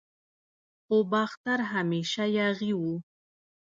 خو باختر همیشه یاغي و